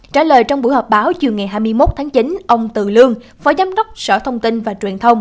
trả lời trong buổi họp báo chiều ngày hai mươi một tháng chín ông từ lương phó giám đốc sở thông tin và truyền thông